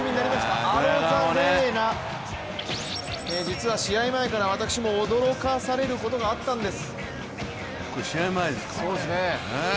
レフトのアロザレーナ、実は試合前から私も驚かされることがあったんです。